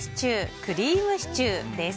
クリームシチュー？です。